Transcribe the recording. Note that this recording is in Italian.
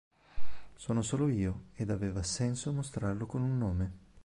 Sono solo io, ed aveva senso mostrarlo con un nome.